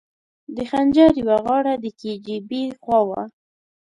د خنجر یوه غاړه د کي جي بي خوا وه.